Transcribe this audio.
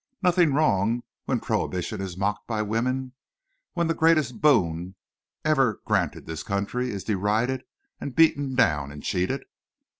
Nothing wrong when prohibition is mocked by women—when the greatest boon ever granted this country is derided and beaten down and cheated?